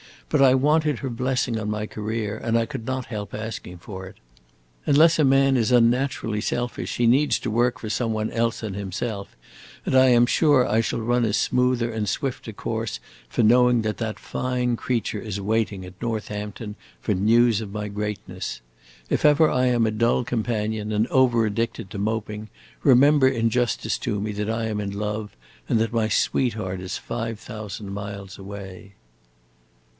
But I wanted her blessing on my career and I could not help asking for it. Unless a man is unnaturally selfish he needs to work for some one else than himself, and I am sure I shall run a smoother and swifter course for knowing that that fine creature is waiting, at Northampton, for news of my greatness. If ever I am a dull companion and over addicted to moping, remember in justice to me that I am in love and that my sweetheart is five thousand miles away."